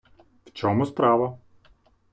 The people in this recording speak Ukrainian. В чому справа.